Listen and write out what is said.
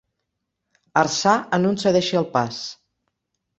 Arçar en un cedeixi el pas.